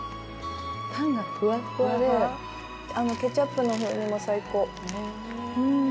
パンがフワフワでケチャップの風味も最高。